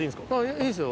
いいですよ。